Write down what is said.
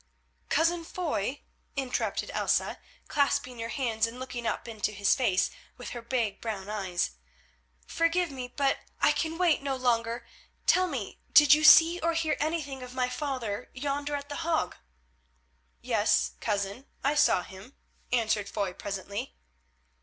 "Cousin Foy," interrupted Elsa, clasping her hands and looking up into his face with her big brown eyes, "forgive me, but I can wait no longer. Tell me, did you see or hear anything of my father yonder at The Hague?" "Yes, cousin, I saw him," answered Foy presently.